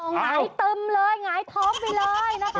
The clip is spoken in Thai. หงายตึมเลยหงายท้องไปเลยนะคะ